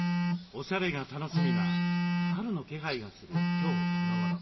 おしゃれが楽しみな春の気配がする今日このごろ。